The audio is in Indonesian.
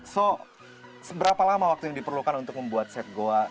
so seberapa lama waktu yang diperlukan untuk membuat set goa